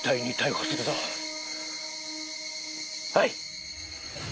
はい！